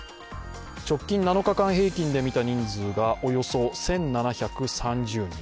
直近７日間平均で見た人数がおよそ１７３０人。